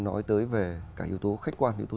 nói tới về cả yếu tố khách quan yếu tố